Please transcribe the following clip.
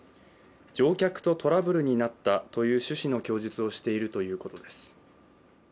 乗客とトラブルになったという趣旨の供述をしているということです。